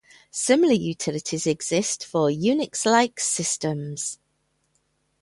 Similar utilities exist for Unix-like systems.